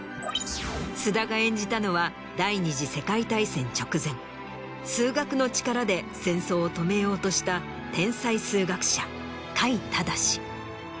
菅田が演じたのは第二次世界大戦直前数学の力で戦争を止めようとした天才数学者櫂直。